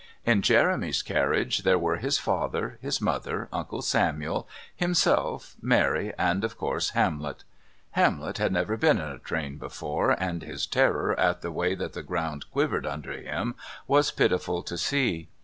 In Jeremy's carriage there were his father, his mother, Uncle Samuel, himself, Mary, and, of course, Hamlet. Hamlet had never been, in a train before, and his terror at the way that the ground quivered under him was pitiful to see.